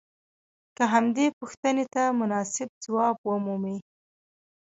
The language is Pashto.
که همدې پوښتنې ته مناسب ځواب ومومئ.